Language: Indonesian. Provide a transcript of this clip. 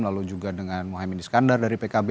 lalu juga dengan mohaimin iskandar dari pkb